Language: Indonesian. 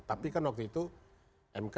tapi kan waktu itu mk tetap menyebutkan